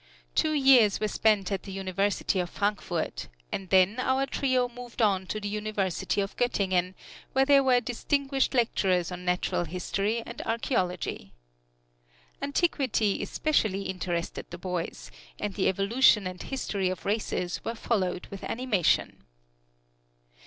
Two years were spent at the University of Frankfort, and then our trio moved on to the University of Gottingen, where there were distinguished lecturers on Natural History and Archeology. Antiquity especially interested the boys, and the evolution and history of races were followed with animation.